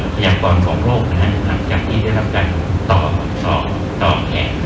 พยายามก่อนของโรคนั้นหลังจากที่ได้รับการต่อต่อต่อแขก